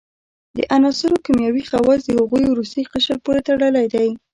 د عناصرو کیمیاوي خواص د هغوي وروستي قشر پورې تړلی دی.